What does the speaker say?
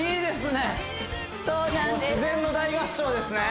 もう自然の大合唱ですね